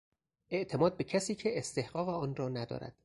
اعتماد به کسی که استحقاق آنرا ندارد